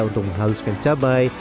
untuk menghaluskan cabai